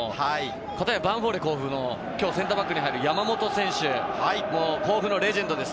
ヴァンフォーレ甲府のセンターバック・山本選手、甲府のレジェンドです。